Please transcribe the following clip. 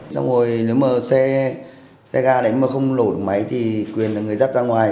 xong rồi nếu mà xe ga đấy mà không nổ được máy thì quyền là người dắt ra ngoài